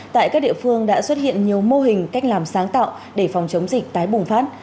tại các địa phương đã xuất hiện nhiều mô hình cách làm sáng tạo để phòng chống dịch tái bùng phát